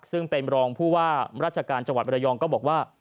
ซึ่งเป็นรองผู้ว่าราชการจังหวัดบรยองก็บอกว่า